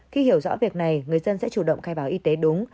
khi hiểu rõ việc này người dân sẽ chủ động khai báo y tế đúng